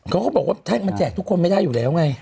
เขาก็บอกว่ามันแจกทุกคนไม่ได้อยู่แล้วไง